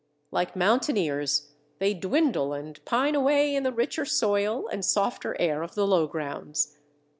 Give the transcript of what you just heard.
Like mountaineers, they dwindle and pine away in the richer soil and softer air of the low grounds.